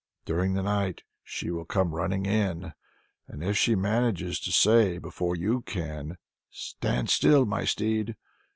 During the night she will come running in, and if she manages to say before you can 'Stand still, my steed!'